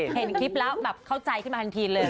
เห็นคลิปแล้วแบบเข้าใจขึ้นมาทันทีเลย